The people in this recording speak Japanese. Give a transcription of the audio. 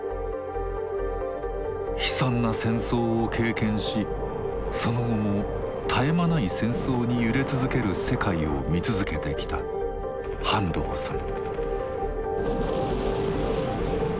悲惨な戦争を経験しその後も絶え間ない戦争に揺れ続ける世界を見続けてきた半藤さん。